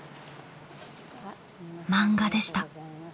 漫画でした。